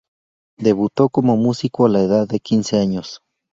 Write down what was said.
Debutó como músico a la edad de quince años.